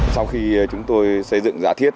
sau khi chúng tôi xây dựng giả thiết